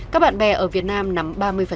các bạn bè ở việt nam nắm ba mươi